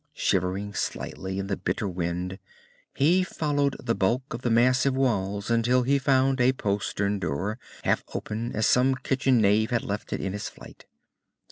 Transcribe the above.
Shivering slightly in the bitter wind, he followed the bulk of the massive walls until he found a postern door, half open as some kitchen knave had left it in his flight.